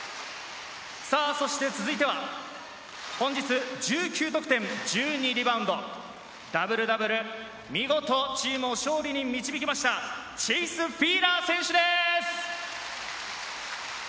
そして続いては本日１９得点、１２リバウンド、ダブルダブル、見事チームを勝利に導きました、チェイス・フィーラー選手です。